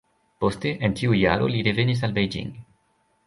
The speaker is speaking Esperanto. Poste en tiu jaro li revenis al Beijing.